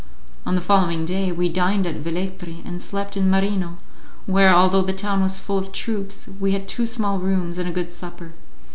On the following day we dined at Velletri and slept in Marino, where, although the town was full of troops, we had two small rooms and a good supper.